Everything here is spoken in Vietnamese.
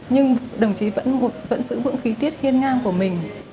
nhưng đồng chí vẫn giữ vững khí tiết khiên ngang của mình